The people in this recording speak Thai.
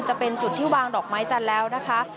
จะเป็นจุดที่วางดอกไม้จันทร์แล้วนะคะ